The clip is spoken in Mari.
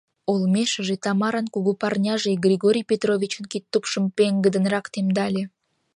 Олмешыже Тамаран кугу парняже Григорий Петровичын кидтупшым пеҥгыдынрак темдале.